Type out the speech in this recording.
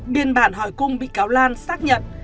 biên bản hỏi cung bị cáo lan xác nhận